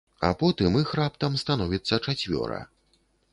А потым іх раптам становіцца чацвёра.